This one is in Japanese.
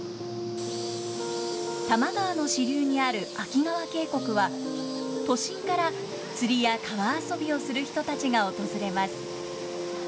多摩川の支流にある秋川渓谷は都心から釣りや川遊びをする人たちが訪れます。